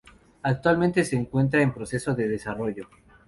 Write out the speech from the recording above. Actualmente se encuentra en proceso de desarrollo.